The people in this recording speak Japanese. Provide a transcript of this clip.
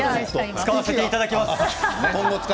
使わせていただきます。